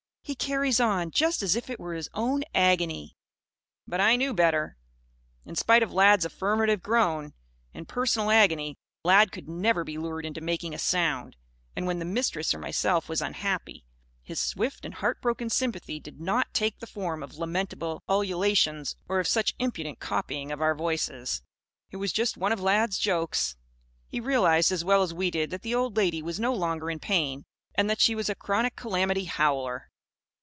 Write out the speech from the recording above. He carries on, just as if it were his own agony!" But I knew better, in spite of Lad's affirmative groan. In personal agony, Lad could never be lured into making a sound. And when the Mistress or myself was unhappy, his swift and heart broken sympathy did not take the form of lamentable ululations or of such impudent copying of our voices. It was just one of Lad's jokes. He realised as well as we did that the old lady was no longer in pain and that she was a chronic calamity howler.